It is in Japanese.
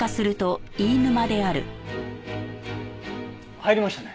入りましたね。